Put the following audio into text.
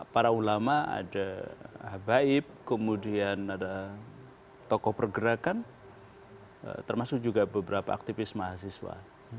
para ulama ada habaib kemudian ada tokoh pergerakan termasuk juga beberapa aktivis mahasiswa